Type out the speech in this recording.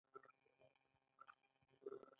هغوی د کور لپاره څراغ هم نه درلود